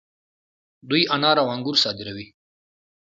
دوی انار او انګور صادروي.